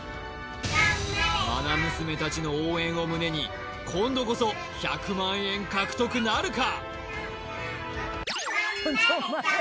まな娘達の応援を胸に今度こそ１００万円獲得なるか？